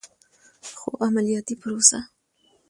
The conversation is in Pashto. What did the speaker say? خو عملیاتي پروسه